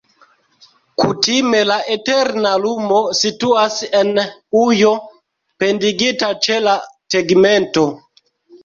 Kutime la eterna lumo situas en ujo pendigita ĉe la tegmento.